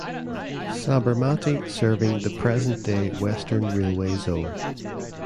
Sabarmati serving the present day Western Railway zone.